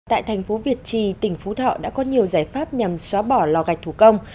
tại thành phố việt trì tỉnh phú thọ đã có nhiều giải pháp nhằm xóa bỏ lò gạch thủ công